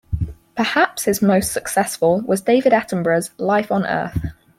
Perhaps his most successful was David Attenborough's "Life on Earth".